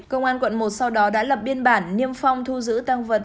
công an quận một sau đó đã lập biên bản niêm phong thu giữ tăng vật